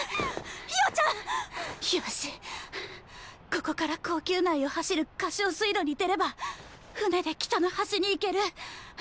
ここから後宮内を走る可晶水路に出れば舟で北の端に行ける！